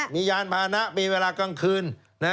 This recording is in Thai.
มียานพานะมีเวลากลางคืน